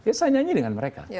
ya saya nyanyi dengan mereka